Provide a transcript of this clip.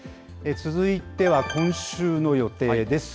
続いては今週の予定です。